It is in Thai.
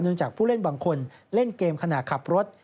จากผู้เล่นบางคนเล่นเกมขณะขับรถ